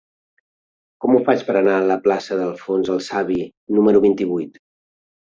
Com ho faig per anar a la plaça d'Alfons el Savi número vint-i-vuit?